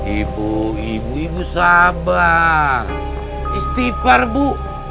ibu ibu ibu sabar istighfar bu